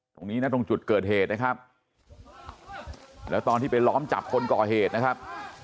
ตรงนี้นะตรงจุดเกิดเหตุนะครับแล้วตอนที่ไปล้อมจับคนก่อเหตุนะครับ